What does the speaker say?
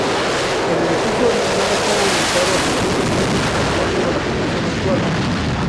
El edificio original estaba ubicado seiscientos metros al norte de la posición actual.